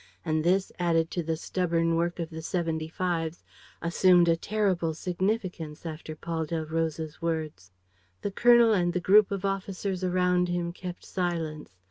And this, added to the stubborn work of the seventy fives, assumed a terrible significance after Paul Delroze's words. The colonel and the group of officers around him kept silence.